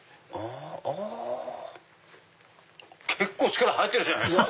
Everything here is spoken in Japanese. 結構力入ってるじゃないですか。